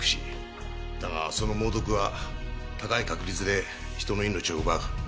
だがその猛毒は高い確率で人の命を奪う。